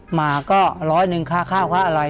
มาก็ร้อยหนึ่งค่าข้าวค่าอะไร